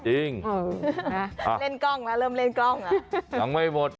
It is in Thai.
จริงเล่นกล้องแล้วเริ่มเล่นกล้อง